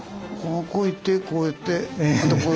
こういってこういってまたこう。